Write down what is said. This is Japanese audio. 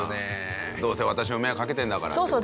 どうせ私も迷惑かけてるんだからっていう事ね。